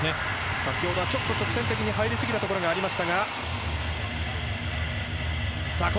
先ほどはちょっと直線的に入りすぎたところがありましたが。